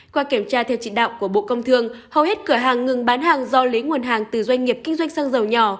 qua kiểm tra theo trị đạo của bộ công thương hầu hết cửa hàng ngừng bán hàng do lấy nguồn hàng từ doanh nghiệp kinh doanh xăng dầu nhỏ